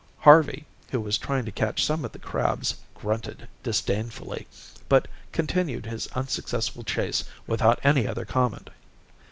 Harvey, who was trying to catch some of the crabs, grunted disdainfully, but continued his unsuccessful chase without any other comment.